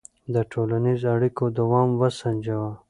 د ټولنیزو اړیکو دوام وسنجوه.